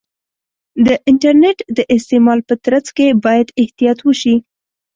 د انټرنیټ د استعمال په ترڅ کې باید احتیاط وشي.